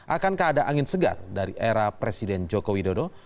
akankah ada angin segar dari era presiden joko widodo